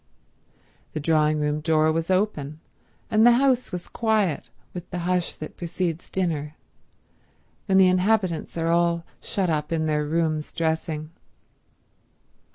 The drawing room door was open, and the house was quiet with the hush that precedes dinner, when the inhabitants are all shut up in their rooms dressing.